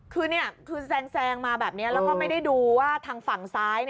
คือแซงมาแบบนี้แล้วก็ไม่ได้ดูว่าทางฝั่งซ้าย